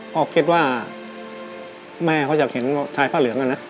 พ่อคิดว่าแม่เขาอยากเห็นชายผ้าเหลืองอะนะ